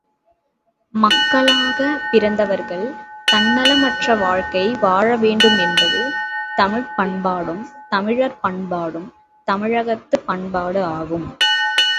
மக்களாகப் பிறந்தவர்கள் தன்னலமற்ற வாழ்க்கை வாழவேண்டுமென்பது தமிழ்ப் பண்பாடும், தமிழர் பண்பாடும், தமிழகத்துப் பண்பாடு ஆகும்.